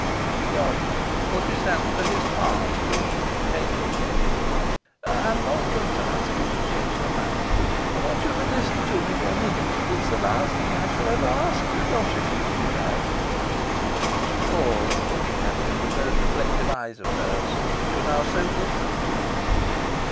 He gulped, and put his hand to his heart to ease its painful beating. "I'm not going to ask you to change your mind, but I want you to listen to me for a minute. It's the last thing I shall ever ask you. Don't refuse me that." She paused, looking at him with those reflective eyes of hers, which now were so different to him.